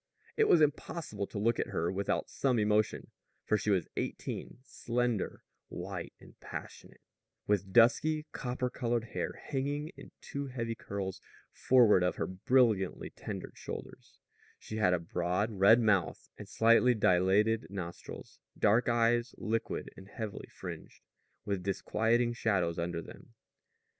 It was impossible to look at her without some emotion; for she was eighteen, slender, white and passionate; with dusky, copper colored hair hanging in two heavy curls forward over her brilliantly tender shoulders; and she had a broad, red mouth, and slightly dilated nostrils; dark eyes, liquid and heavily fringed, with disquieting shadows under them.